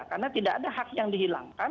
karena tidak ada hak yang dihilangkan